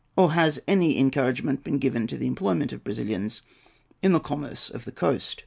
Or has any encouragement been given to the employment of Brazilians in the commerce of the coast?